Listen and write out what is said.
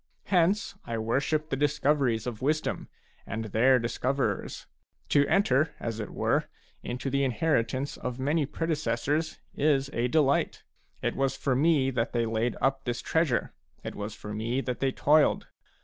Hence I worship the discoveries of wisdom and their dis coverers ; to enter, as it were, into the inheritance of many predecessors is a delight. It was for me that they laid up this treasure ; it was for me that they toiled.